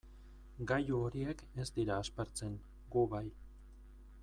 Gailu horiek ez dira aspertzen, gu bai.